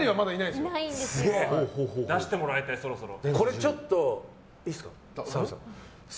出してもらいたい、そろそろ。